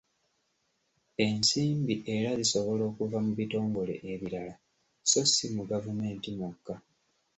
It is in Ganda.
Ensimbi era zisobola okuva mu bitongole ebirala sso si mu gavumenti mwokka.